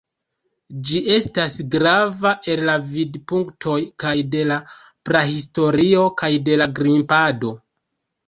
Ĝi estas grava el la vidpunktoj kaj de la prahistorio kaj de la grimpado.